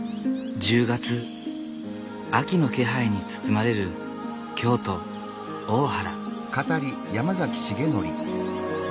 １０月秋の気配に包まれる京都・大原。